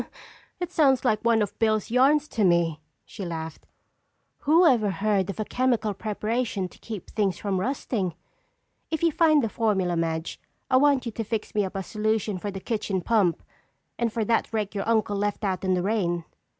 "It sounds like one of Bill's yarns to me," she laughed. "Whoever heard of a chemical preparation to keep things from rusting? If you find the formula, Madge, I want you to fix me up a solution for the kitchen pump! And for that rake your uncle left out in the rain!"